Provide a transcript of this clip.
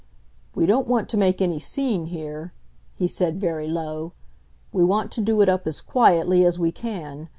"We don't want to make any scene here," he said very low. "We want to do it up as quietly as we can.